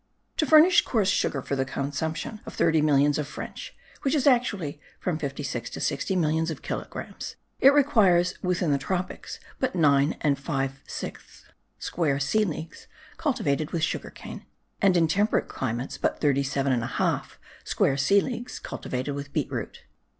To furnish coarse sugar for the consumption of thirty millions of French (which is actually from fifty six to sixty millions of kilogrammes) it requires within the tropics but nine and five sixths square sea leagues cultivated with sugar cane; and in temperate climates but thirty seven and a half square sea leagues cultivated with beet root.